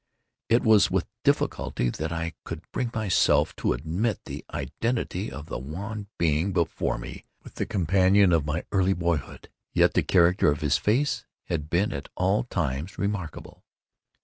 It was with difficulty that I could bring myself to admit the identity of the wan being before me with the companion of my early boyhood. Yet the character of his face had been at all times remarkable.